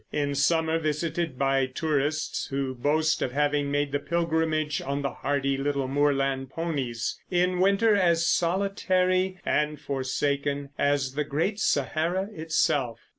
In summer visited by tourists who boast of having made the pilgrimage on the hardy little moorland ponies; in winter as solitary and forsaken as the Great Sahara itself.